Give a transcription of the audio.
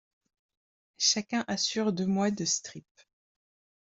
Chacun assure deux mois de strip.